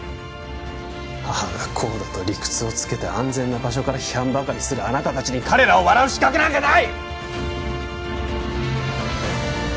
ああだこうだと理屈をつけて安全な場所から批判ばかりするあなた達に彼らを笑う資格なんかない！